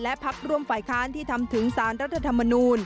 และพักร่วมฝ่ายค้านที่ทำถึงสารรัฐธรรมนูล